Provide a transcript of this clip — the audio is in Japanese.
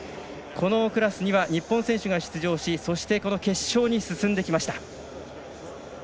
このクラスには日本選手が出場しそして、この決勝に進んできました。